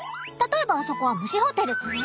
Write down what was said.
例えばあそこは「虫ホテル」。